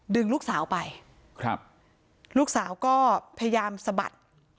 ลูกสาวไปครับลูกสาวก็พยายามสะบัด